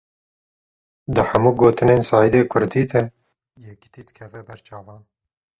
Di hemû gotinên Seîdê Kurdî de, yekitî dikeve ber çavan